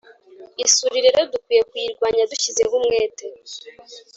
Isuri rero dukwiye kuyirwanya dushyizeho umwete